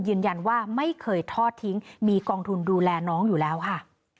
ไม่เคยทอดทิ้งมีกองทุนดูแลน้องอยู่แล้วค่ะ